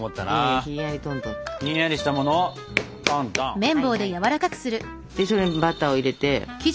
はいはいそれにバターを入れて。